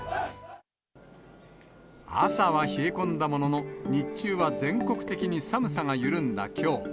朝は冷え込んだものの、日中は全国的に寒さが緩んだきょう。